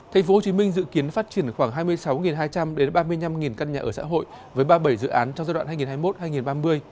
tp hcm dự kiến phát triển khoảng hai mươi sáu hai trăm linh đến ba mươi năm căn nhà ở xã hội với ba mươi bảy dự án trong giai đoạn hai nghìn hai mươi một hai nghìn ba mươi